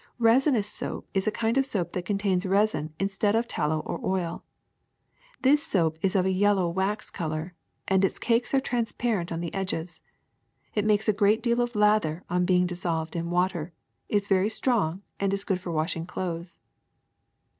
Resinous soap is a kind of soap that contains resin instead of tallow or oil. This soap is of a yel low wax color, and its cakes are transparent on the edges. It makes a great deal of lather on being dis solved in water, is very strong, and is good for wash ing clothes.